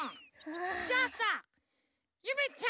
じゃあさゆめちゃん！